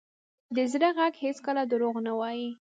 د زړه ږغ هېڅکله دروغ نه وایي.